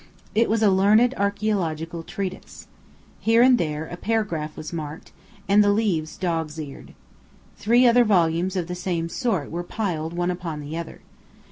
It was a learned archeological treatise. Here and there a paragraph was marked, and leaves dog's eared. Three other volumes of the same sort were piled one upon the other.